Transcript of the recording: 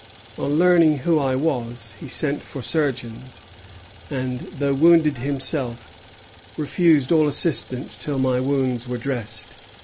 On learning who I was, he sent for surgeons, and, though wounded himself, refused all assistance till my wounds were dressed."